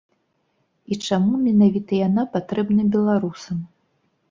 І чаму менавіта яна патрэбна беларусам?